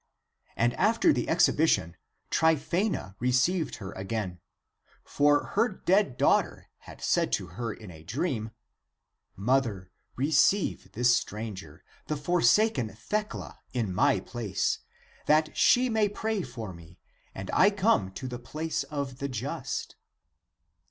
And after the ex hibition Tryphsena received her again. For her dead daughter had said to her in a dream, " Mother, re ceive this stranger, the forsaken Thecla in my place, that she may pray for me and I come to the place of the just."